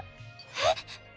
えっ！？